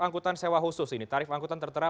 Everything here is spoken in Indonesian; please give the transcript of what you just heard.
angkutan sewa khusus ini tarif angkutan tertera